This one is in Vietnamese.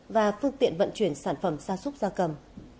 và phương tiện vận chuyển sản phẩm gia súc gia cầm